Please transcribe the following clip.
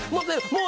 もう！